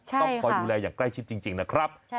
ต้องคอยดูแลอย่างใกล้ชิดจริงนะครับ